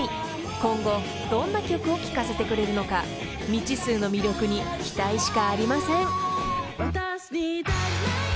［今後どんな曲を聞かせてくれるのか未知数の魅力に期待しかありません］